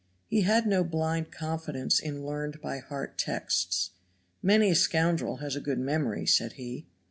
He had no blind confidence in learned by heart texts. "Many a scoundrel has a good memory," said he.